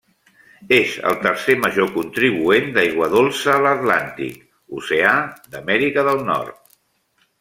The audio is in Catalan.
És el tercer major contribuent d'aigua dolça a l'Atlàntic Oceà d'Amèrica del Nord.